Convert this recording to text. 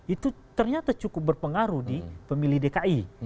itu ternyata cukup berpengaruh di pemilih dki